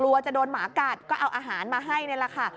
กลัวจะโดนหมากัดก็เอาอาหารมาให้นี่แหละค่ะ